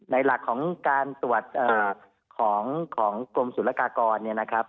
ในหลักของการตรวจเอ่อของของกรมสุรกากรเนี้ยนะครับ